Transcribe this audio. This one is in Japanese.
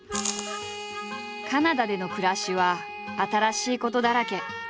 カナダでの暮らしは新しいことだらけ。